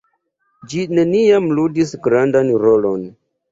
Ĝi neniam ludis grandan rolon.